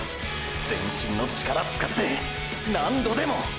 全身の力使って何度でも！！